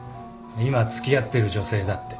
今付き合ってる女性だって。